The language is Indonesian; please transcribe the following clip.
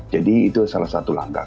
jadi itu salah satu langkah